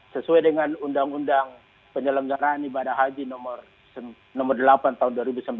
sesuai dengan undang undang penyelenggaraan ibadah haji nomor delapan tahun dua ribu sembilan belas